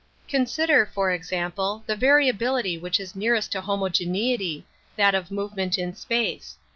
Consider, for example, the variability which is nearest to homogeneity, that of movement in space.